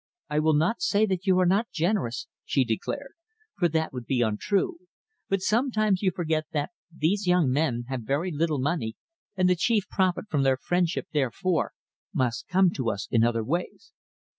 "I will not say that you are not generous," she declared, "for that would be untrue, but sometimes you forget that these young men have very little money, and the chief profit from their friendship, therefore, must come to us in other ways."